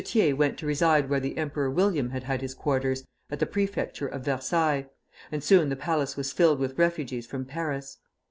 Thiers went to reside where the Emperor William had had his quarters, at the Prefecture of Versailles, and soon the palace was filled with refugees from Paris.